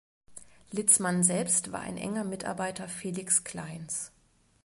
Litzmann selbst war ein enger Mitarbeiter Felix Kleins.